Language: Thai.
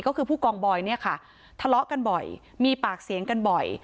ก็คือผู้กองบอยเนี่ยค่ะทะเลาะกันบ่อยมีปากเสียงกันบ่อย